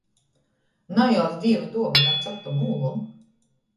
Najauc Dīva duovonu ar captom ūlom!